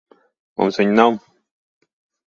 Mums viņa nav.